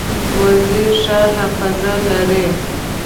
وزې ښه حافظه لري